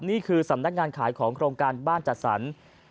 นี่คือสำนักงานขายของโครงการบ้านจัดสรร